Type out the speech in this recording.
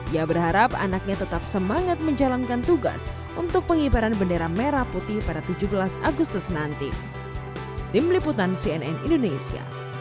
ia berharap anaknya tetap semangat menjalankan tugas untuk pengibaran bendera merah putih pada tujuh belas agustus nanti